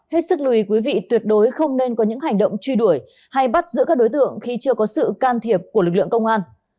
hết sức lùi quý vị tuyệt đối không nên có những hành động truy đuổi hay bắt giữ các đối tượng khi chưa có sự can thiệp của lực lượng công an